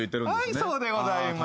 はいそうでございます。